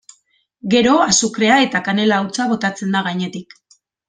Gero azukrea eta kanela hautsa botatzen da gainetik.